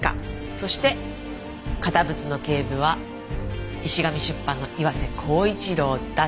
そして堅物の警部は石神出版の岩瀬厚一郎だっていわれてる。